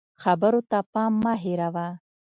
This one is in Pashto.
خبرو ته پام مه هېروه